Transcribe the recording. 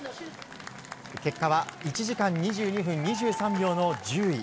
結果は１時間２２分２３秒の１０位。